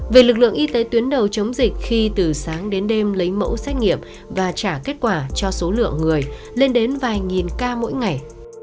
về lực lượng y tế tuyến đầu chống dịch khi từ sáng đến đêm lấy mẫu xét nghiệm và trả kết quả cho số lượng người lên đến vài nghìn ca mỗi ngày